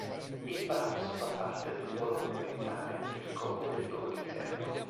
Il palazzo fa parte del polo monumentale del Colle del Duomo di Viterbo.